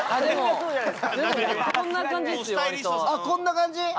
こんな感じ？